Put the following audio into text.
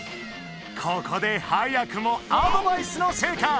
ここで早くもアドバイスの成果。